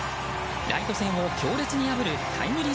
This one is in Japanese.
ライト線を強烈に破るタイムリー